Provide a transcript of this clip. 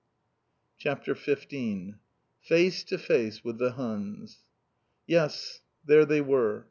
CHAPTER XV FACE TO FACE WITH THE HUNS Yes, there they were!